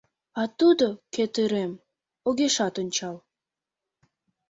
А тудо, кӧтырем, огешат ончал.